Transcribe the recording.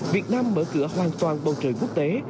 việt nam mở cửa hoàn toàn bầu trời quốc tế